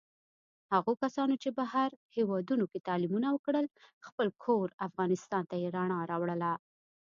هغو کسانو چې بهر هېوادونوکې تعلیمونه وکړل، خپل کور افغانستان ته یې رڼا راوړله.